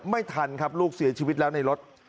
ไม่ทันครับลูกเสียชีวิตแล้วในรถ